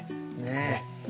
ねえ。